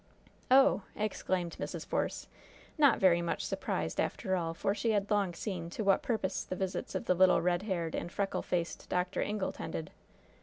"Oh!" exclaimed Mrs. Force, not very much surprised, after all, for she had long seen to what purpose the visits of the little, red haired and freckle faced Dr. Ingle tended.